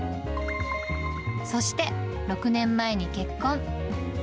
そして６年前に結婚。